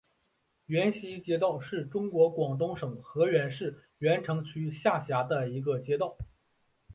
源西街道是中国广东省河源市源城区下辖的一个街道。